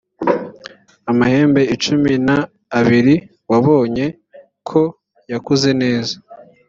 amahembe icumi na abiri wabonye ko yakuze neza